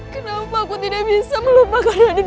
kenapa aku tidak bisa melupakan ini